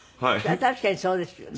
確かにそうですよね。